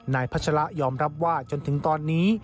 พัชระยอมรับว่าจนถึงตอนนี้